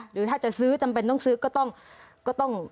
หรือถ้าจะซื้อจำเป็นต้องซื้อก็ต้อง